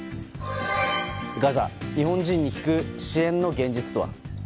ガザ、日本人に聞く支援の現実とは。